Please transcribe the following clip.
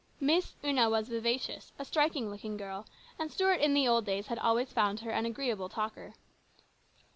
Miss Una was vivacious, a striking looking girl, and Stuart in the old days had always found her an agreeable talker.